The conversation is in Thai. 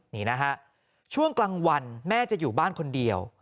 นี่นะฮะช่วงกลางวันแม่จะอยู่บ้านคนเดียว